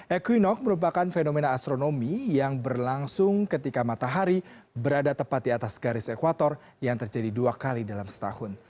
equinox merupakan fenomena astronomi yang berlangsung ketika matahari berada tepat di atas garis ekwator yang terjadi dua kali dalam setahun